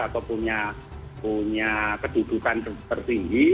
atau punya kedudukan tertinggi